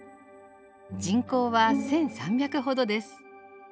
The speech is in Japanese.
人口は１，３００ほどです。